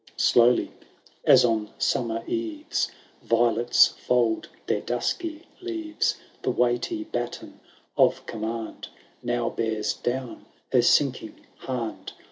ContO TL Slowly aa on flummer eves Violets fold their duskj leaves. The weighty baton of command Now bears dowii her sinking hand.